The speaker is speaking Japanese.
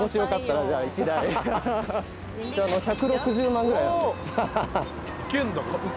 １６０万ぐらい。